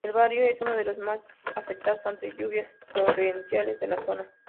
El barrio es uno de los más afectados ante lluvias torrenciales en la zona.